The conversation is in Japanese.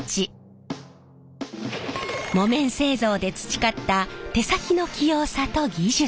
木綿製造で培った手先の器用さと技術。